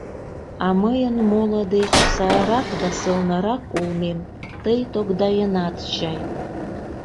А мыйын моло деч сайрак да сылнырак улмем тый тогдаенат чай?..